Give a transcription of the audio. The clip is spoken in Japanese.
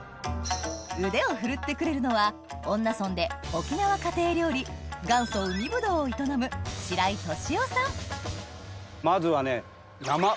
腕を振るってくれるのは恩納村で沖縄家庭料理「元祖海ぶどう」を営むまずはね。